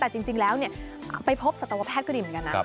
แต่จริงแล้วไปพบสัตวแพทย์ก็ดีเหมือนกันนะ